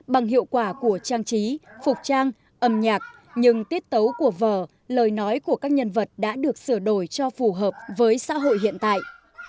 bằng hiệu quả của trang trí phục trang âm nhạc nhưng tiết tấu của vở lời nói của các nhân vật đã được sửa đổi cho phù hợp với xã hội hiện tại